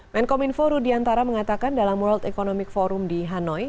menkominforu diantara mengatakan dalam world economic forum di hanoi